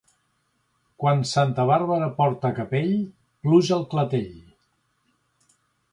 Quan Santa Bàrbara porta capell, pluja al clatell.